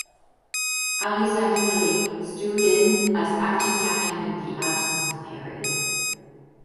Alyssa Healy stood in as acting captain in the absence of Perry.